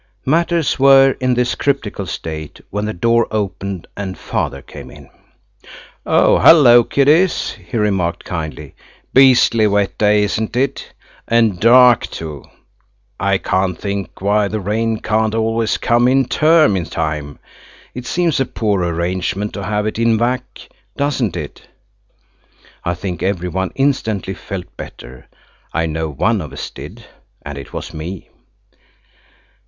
Matters were in this cryptical state when the door opened and Father came in. "Hullo, kiddies!" he remarked kindly. "Beastly wet day, isn't it? And dark too, I can't think why the rain can't always come in term time. It seems a poor arrangement to have it in 'vac.,' doesn't it?" I think every one instantly felt better. I know one of us did, and it was me.